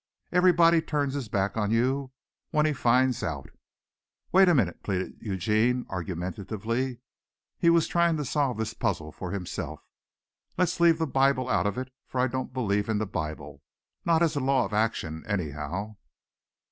Everybody turns his back on you when he finds out." "Wait a minute," pleaded Eugene argumentatively. He was trying to solve this puzzle for himself. "Let's leave the Bible out of it, for I don't believe in the Bible not as a law of action anyhow.